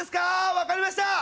分かりました！